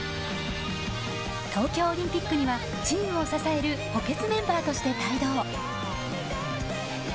東京オリンピックにはチームを支える補欠メンバーとして帯同。